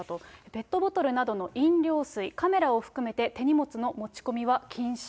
ペットボトルなどの飲料水、カメラを含めて、手荷物の持ち込みは禁止。